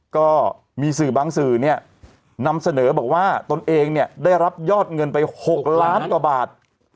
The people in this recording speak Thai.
ก็มีสื่อบางสื่อเนี่ยนำเสนอบอกว่าตนเองเนี่ยได้รับยอดเงินไป๖ล้านกว่าบาท